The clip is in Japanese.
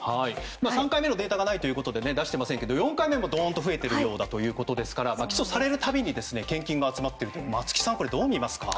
３回目のデータがないということで出していませんが増えているようだということですから起訴されるたびに献金が集まっていますが松木さん、どうみますか？